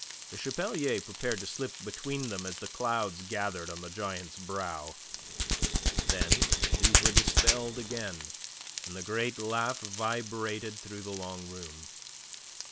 Le Chapelier prepared to slip between them as the clouds gathered on the giant's brow. Then these were dispelled again, and the great laugh vibrated through the long room.